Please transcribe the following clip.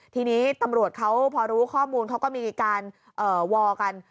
ทีนี้ตำรวจเขาพอรู้ข้อมูลเขาก็มีการวอลกัน